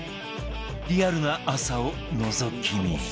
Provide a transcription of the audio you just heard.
リアルな朝をのぞき見